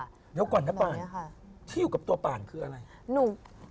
เดี๋ยวก่อนนะป่านที่อยู่กับตัวป่านคืออะไรหนู